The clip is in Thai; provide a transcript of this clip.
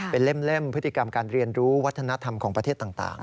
เป็นเล่มพฤติกรรมการเรียนรู้วัฒนธรรมของประเทศต่าง